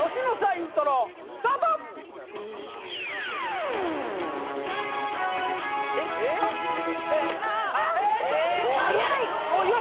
イントロスタート岩